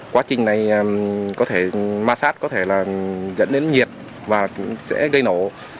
quá trình này ma sát có thể dẫn đến nhiệt và sẽ gây nổ